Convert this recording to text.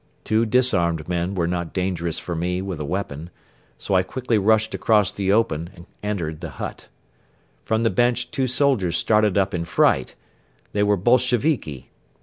Two disarmed men were not dangerous for me with a weapon, so I quickly rushed across the open and entered the hut. From the bench two soldiers started up in fright. They were Bolsheviki.